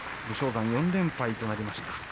武将山、４連敗となりました。